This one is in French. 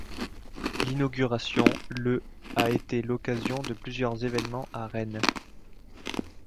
L'inauguration le a été l'occasion de plusieurs évènements à Rennes.